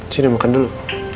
sini makan dulu